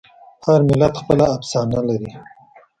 هر ملت خپله افسانه لري.